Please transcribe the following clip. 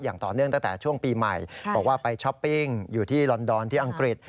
อย่างต่อเนื่องตั้งแต่ช่วงปีใหม่บอกว่าไปช้อปปิ้งอยู่ที่ลอนดอนที่อังกฤษ